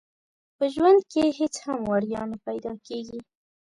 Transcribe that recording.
په ژوند کې هيڅ هم وړيا نه پيدا کيږي.